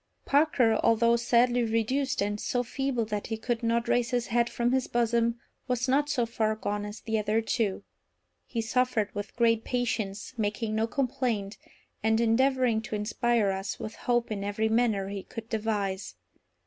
Parker, although sadly reduced, and so feeble that he could not raise his head from his bosom, was not so far gone as the other two. He suffered with great patience, making no complaint, and endeavouring to inspire us with hope in every manner he could devise.